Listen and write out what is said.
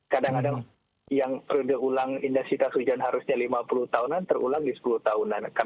kadang kadang yang periode ulang intensitas hujan harusnya lima puluh tahunan terulang di sepuluh tahunan